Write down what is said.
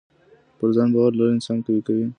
پر ځان باور لرل انسان قوي کوي.